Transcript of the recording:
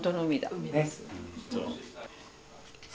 海です。